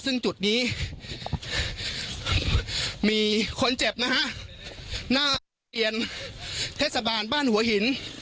ซึ่งจุดนี้มีคนเจ็บนะฮะหน้าโรงเรียนเทศบาลบ้านหัวหิน